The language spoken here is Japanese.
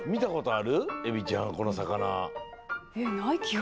エビちゃんこのさかな。